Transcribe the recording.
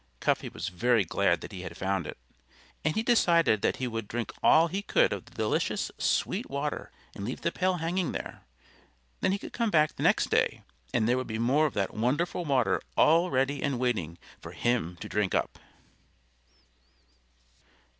Cuffy was very glad that he had found it. And he decided that he would drink all he could of the delicious, sweet water and leave the pail hanging there. Then he could come back the next day and there would be more of that wonderful water all ready and waiting for him to drink up.